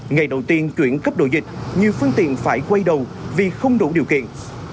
ngày đầu tiên chuyển cấp độ dịch nhiều phương tiện phải quay đầu vì không đủ điều kiện